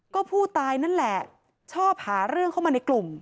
ก็ผู้ตายนั่นแหละชอบหาเรื่องเข้ามาในกลุ่ม